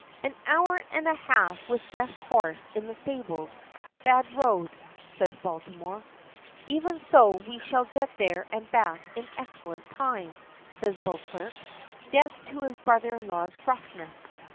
"Hour and a half with best horse in the stables. Bad road," says Baltimore. "Even so we shall get there and back in excellent time," says Beauclerk, deaf to his brother in law's gruffness.